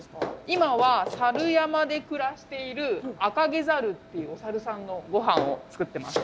今はサル山で暮らしているアカゲザルっていうおサルさんのごはんを作ってます。